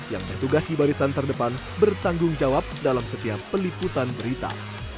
yang bertugas di barisan terdepan bertanggung jawab dalam setiap peliputan berita